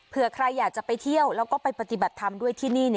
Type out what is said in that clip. เพื่อใครอยากจะไปเที่ยวแล้วก็ไปปฏิบัติธรรมด้วยที่นี่